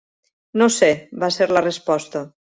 "No sé", va ser la resposta.